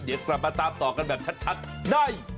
เดี๋ยวกลับมาตามต่อกันแบบชัดใน